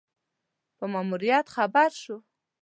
په ماموریت خبر شو.